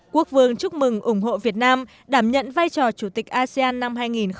quốc vương chúc mừng ủng hộ việt nam đảm nhận vai trò chủ tịch asean năm hai nghìn hai mươi